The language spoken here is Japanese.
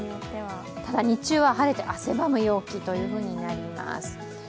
ただ、日中は晴れて汗ばむ陽気となります。